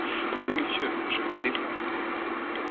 Mais, monsieur, je vous défends !…